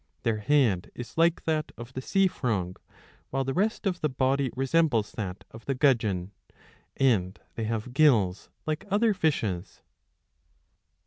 Their head is like that of the sea frog, while the rest of the body re sembles that of the gudgeon, and they have gills like other fishes.